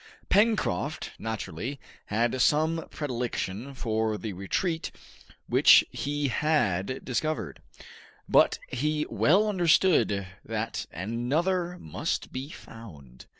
Pencroft, naturally, had some predilection for the retreat which he had discovered, but he well understood that another must be found.